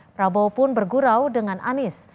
prabowo pun bergurau dengan anies